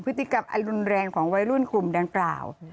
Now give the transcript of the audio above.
พฤติกรรมอรุณแรงของวัยรุ่นกลุ่มดังกล่าว